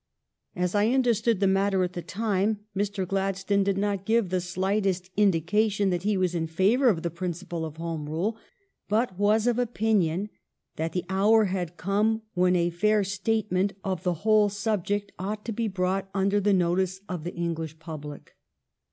As I understood the matter at the time, Mr. Gladstone did not give the slightest indication that he was in favor of the principle of Home Rule, but was of opinion that the hour had come when a fair statement of the whole subject ought to be brought under the notice of the Eng lish public.